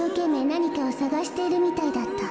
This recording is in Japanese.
なにかをさがしているみたいだった。